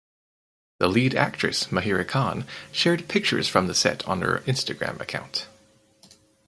The lead actress Mahira Khan shared pictures from the set on her Instagram account.